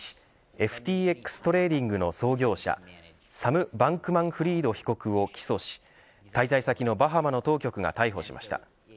ＦＴＸトレーディングの創業者サム・バンクマンフリード被告を起訴し滞在先のバハマの当局が逮捕しました。